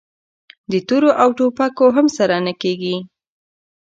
د تورو او ټوپکو هم نه سره کېږي!